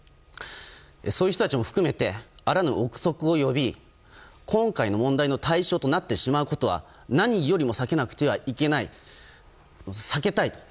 そういう人たちも含めてあらぬ憶測を呼び今回の問題の対象となってしまうことは何よりも避けなくてはいけない避けたいと。